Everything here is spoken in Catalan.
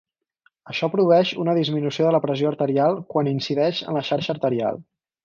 Això produeix una disminució de la pressió arterial quan incideix en la xarxa arterial.